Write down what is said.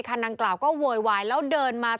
นางกล่าวก็โวยวายแล้วเดินมา